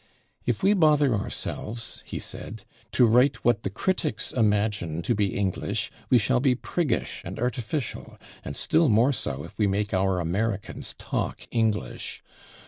"If we bother ourselves," he said, "to write what the critics imagine to be 'English,' we shall be priggish and artificial, and still more so if we make our Americans talk 'English.'